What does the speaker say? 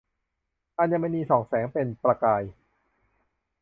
อัญมณีส่องแสงเป็นประกาย